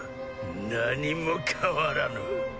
何も変わらぬ。